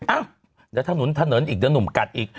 อ้าวเดี๋ยวถนนถนนอีกเดี๋ยวหนุ่มกัดอีก